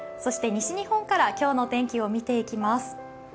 西日本から今日の天気を見ていきます。